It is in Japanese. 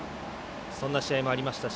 そんな試合もありましたし